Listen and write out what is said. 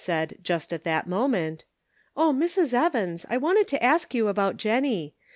395 / said just at that moment :" Oh, Mrs. Evans, I wanted to ask you about Jennie.